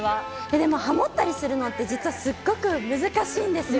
でもハモったりするのって、実はすっごく難しいんですよ。